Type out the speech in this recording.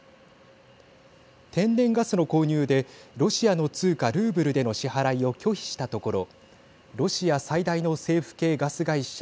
天然ガスの購入でロシアの通貨ルーブルでの支払いを拒否したところロシア最大の政府系ガス会社